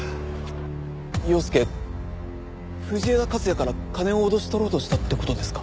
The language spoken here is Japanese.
陽介藤枝克也から金を脅し取ろうとしたって事ですか？